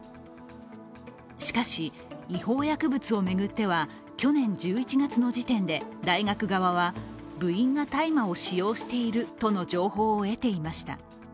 しかし、違法薬物を巡っては、去年１１月の時点で大学側は部員が大麻を使用しているとの情報を得ていました。